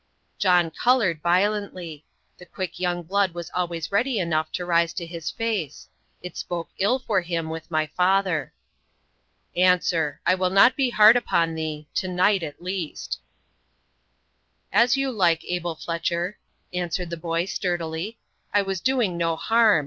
John coloured violently; the quick young blood was always ready enough to rise in his face. It spoke ill for him with my father. "Answer. I will not be hard upon thee to night, at least." "As you like, Abel Fletcher," answered the boy, sturdily. "I was doing no harm.